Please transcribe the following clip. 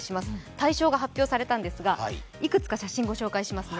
大賞が発表されたんですがいくつか写真をご紹介しますね。